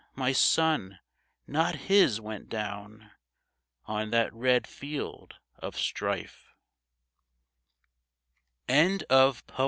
My sun, not his, went down On that red field of strife.